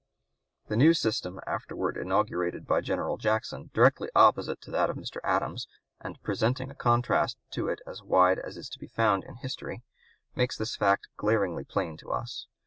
The new system afterward inaugurated by General Jackson, directly opposite to that of Mr. Adams and presenting a contrast to it as wide as is to be found in history, makes this fact glaringly plain to us.